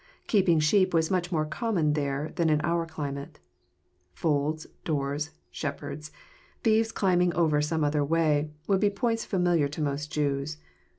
Keeping sheep was much more common there than in our climate. Folds, doors, shepherds, thieves climbing over some other way, would be points familiar to most Jews.